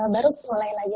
baru mulai lagi